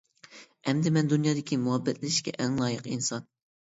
ئەمدى مەن دۇنيادىكى مۇھەببەتلىشىشكە ئەڭ لايىق ئىنسان.